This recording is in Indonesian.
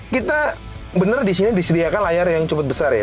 kita benar di sini disediakan layar yang cukup besar ya